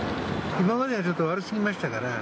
今まではちょっと悪すぎましたから。